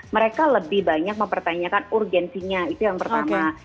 mereka lebih banyak mempertanyakan urgensinya itu yang pertama